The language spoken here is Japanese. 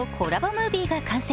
ムービーが完成。